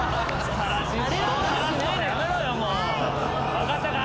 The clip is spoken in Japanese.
分かったか？